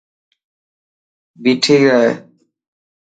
ٻيٺي رهه.